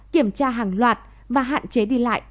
kiểm tra hàng loạt và hạn chế đi lại